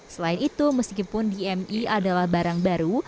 selain itu meskipun dmi adalah barang baru